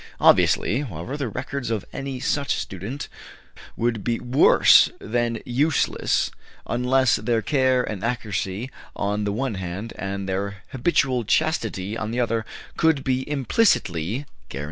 Obviously, however, the records of any such students would be worse than useless unless their care and accuracy, on the one hand, and their habitual chastity, on the other, could be implicitly guaranteed.